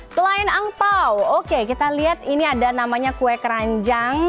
selain angpao oke kita lihat ini ada namanya kue keranjang